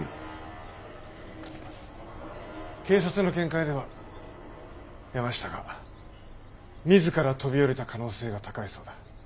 警察の見解では山下が自ら飛び降りた可能性が高いそうだ。